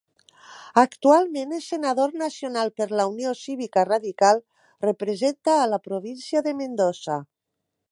Actualment és Senador Nacional per la Unió Cívica Radical, representa a la Província de Mendoza.